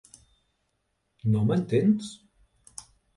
No m'entens?